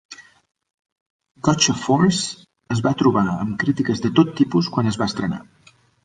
"Gotcha Force" es va trobar amb crítiques de tot tipus quan es va estrenar.